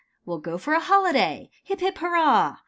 We'll go for a holiday, hip, hip, hurrah